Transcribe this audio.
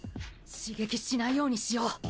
刺激しないようにしよう。